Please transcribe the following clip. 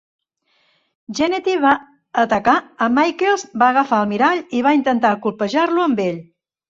Jannetty va atacar a Michaels, va agafar el mirall i va intentar colpejar-lo amb ell.